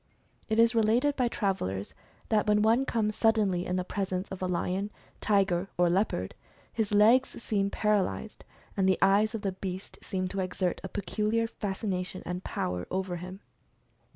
It is related by travelers that when one comes suddenly in the pres ence of a lion, tiger, or leopard, his legs seem par alyzed, and the eyes of the beast seem to exert a pe culiar fascination and power over him.